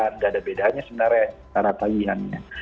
nggak ada bedanya sebenarnya cara penagihan ini